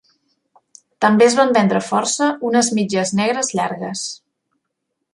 També es van vendre força unes mitges negres llargues.